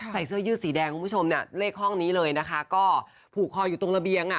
เสื้อยืดสีแดงคุณผู้ชมเนี่ยเลขห้องนี้เลยนะคะก็ผูกคออยู่ตรงระเบียงอ่ะ